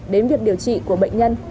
đến việc điều trị của bệnh nhân